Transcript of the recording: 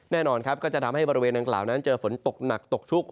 แน่นอนครับก็จะทำให้บริเวณดังกล่าวนั้นเจอฝนตกหนักตกชุก